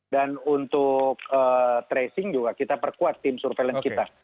dan untuk tracing juga kita perkuat tim surveillance kita